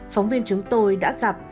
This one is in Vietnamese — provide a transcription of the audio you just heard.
phóng viên chúng tôi đã gặp